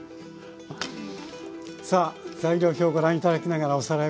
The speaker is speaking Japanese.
さあ材料表ご覧頂きながらおさらいをしましょう。